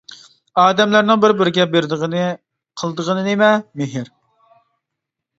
-ئادەملەرنىڭ بىر-بىرىگە بېرىدىغىنى قىلىدىغىنى نېمە؟ مېھىر.